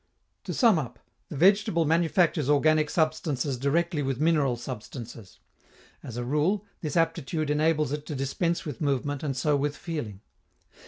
To sum up, the vegetable manufactures organic substances directly with mineral substances; as a rule, this aptitude enables it to dispense with movement and so with feeling.